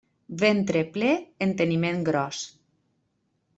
Ventre ple, enteniment gros.